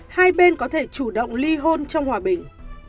hai bên có thể chủ động ly hôn trong hòa bình